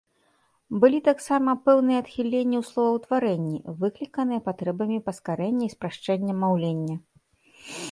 Былі таксама пэўныя адхіленні ў словаўтварэнні, выкліканыя патрэбамі паскарэння і спрашчэння маўлення.